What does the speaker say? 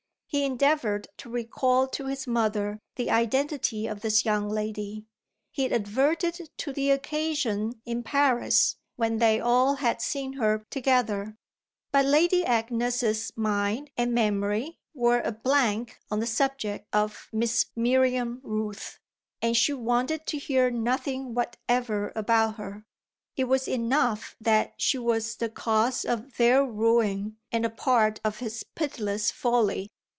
He endeavoured to recall to his mother the identity of this young lady, he adverted to the occasion in Paris when they all had seen her together. But Lady Agnes's mind and memory were a blank on the subject of Miss Miriam Rooth and she wanted to hear nothing whatever about her: it was enough that she was the cause of their ruin and a part of his pitiless folly.